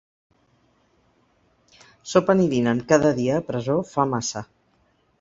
Sopen i dinen cada dia a presó fa massa.